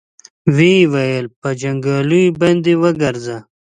ويې ويل: په جنګياليو باندې وګرځه.